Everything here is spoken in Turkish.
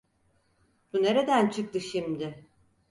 Bu nereden çıktı şimdi?